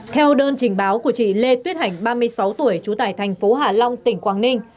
theo đơn trình báo của chị lê tuyết hạnh ba mươi sáu tuổi trú tài thành phố hà long tỉnh quảng ninh